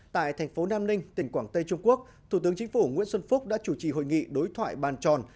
tại thành phố nam ninh tỉnh quảng tây trung quốc thủ tướng chính phủ nguyễn xuân phúc đã chủ trì hội nghị đối thoại bàn tròn